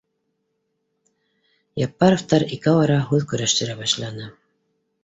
Яппаровтар икәү-ара һүҙ көрәштерә башланы